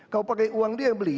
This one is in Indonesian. kalau pakai uang dia beli